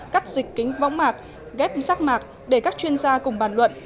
cắt dịch kính võng mạc ghép rác mạc để các chuyên gia cùng bàn luận